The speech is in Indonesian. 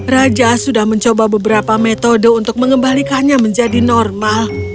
raja sudah mencoba beberapa metode untuk mengembalikannya menjadi normal